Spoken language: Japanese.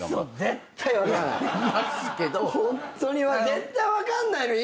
絶対分かんないのに。